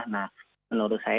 nah menurut saya